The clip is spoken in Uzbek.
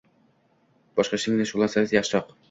boshqa ish bilan shug’ullanganingiz yaxshiroq